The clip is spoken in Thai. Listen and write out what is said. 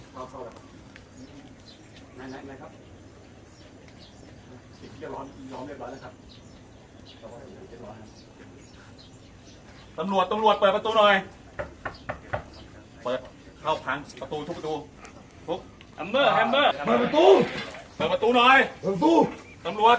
ทุกเปิดประตูเปิดประตูหน่อยประตูสำรวจ